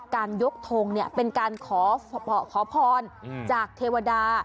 การยกทงเป็นการขอพรจากเทวดา